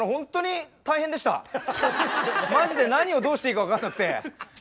マジで何をどうしていいか分かんなくて。